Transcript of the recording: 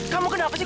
kamu kenapa sih